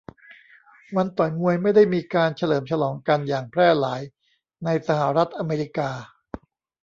วันต่อยมวยไม่ได้มีการเฉลิมฉลองกันอย่างแพร่หลายในสหรัฐอเมริกา